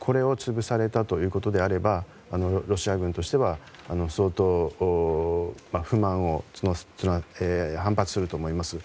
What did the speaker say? これを潰されたということであればロシア軍としては相当、反発すると思います。